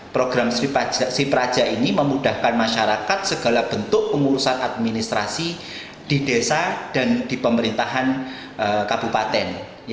program si praja ini memudahkan masyarakat segala bentuk pengurusan administrasi di desa dan di pemerintahan kabupaten